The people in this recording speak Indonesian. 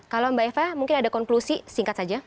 kalau mbak eva mungkin ada konklusi singkat saja